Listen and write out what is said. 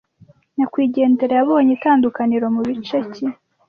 Nyakwigendera yabonye itandukaniro mubice ki